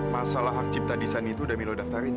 masalah hak cipta desain itu udah milo daftarin